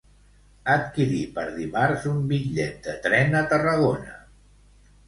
Adquirir per dimarts un bitllet de tren a Tarragona.